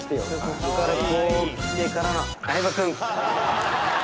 ここからこうきてからの相葉君。